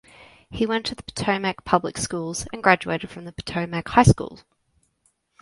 He went to the Potomac public schools and graduated from the Potomac High School.